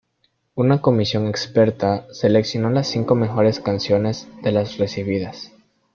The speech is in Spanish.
Una comisión experta seleccionó las cinco mejores canciones de las recibidas.